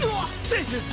セーフ！